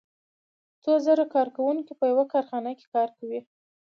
څو زره کارکوونکي په یوه کارخانه کې کار کوي